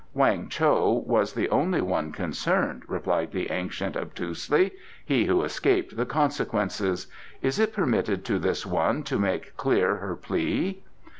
"Weng Cho was the only one concerned," replied the ancient obtusely "he who escaped the consequences. Is it permitted to this one to make clear her plea?"